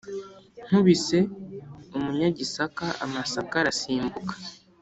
nkubise umunyagisaka amasaka arasimbuka,